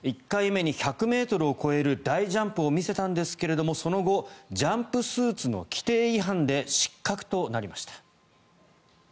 １回目に１００ｍを超える大ジャンプを見せたんですけどもその後ジャンプスーツの規定違反で失格となりました。